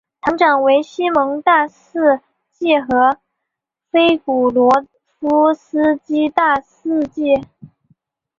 堂长为西蒙大司祭和菲古罗夫斯基大司祭。